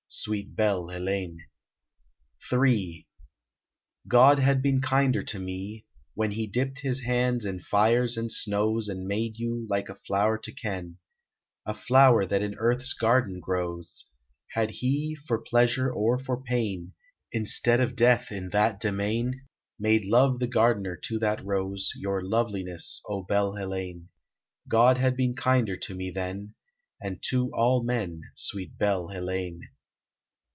Sweet belle Heléne. III. God had been kinder to me, when He dipped His hands in fires and snows And made you like a flow'r to ken, A flow'r that in Earth's garden grows, Had He, for pleasure or for pain, Instead of Death in that demesne, Made Love the gardener to that rose, Your loveliness, O belle Heléne; God had been kinder to me then And to all men, Sweet belle Heléne.